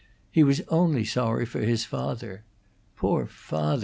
He was only sorry for his father. "Poor father!"